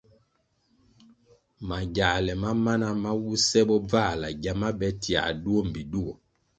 Magyāle ma mana ma wuse bobvāla gyama be tiā duo mbpi duo.